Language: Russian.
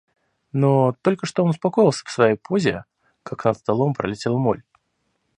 Но, только что он успокоился в своей позе, как над столом пролетела моль.